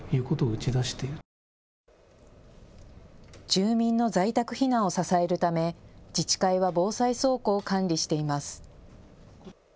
住民の在宅避難を支えるため自治会は防災倉庫を管理しています。